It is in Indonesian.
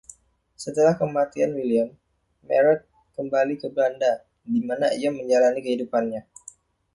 Setelah kematian William, Marot kembali ke Belanda di mana ia menjalani kehidupannya.